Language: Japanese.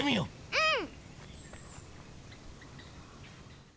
うん！